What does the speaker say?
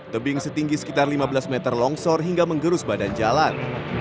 tebing setinggi sekitar lima belas meter longsor hingga menggerus badan jalan